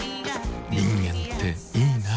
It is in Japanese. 人間っていいナ。